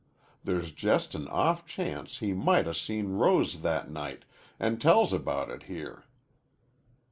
There's just an off chance he might 'a' seen Rose that night an' tells about it here."